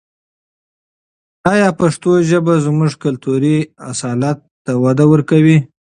آیا پښتو ژبه زموږ کلتوري اصالت ته وده ورکوي؟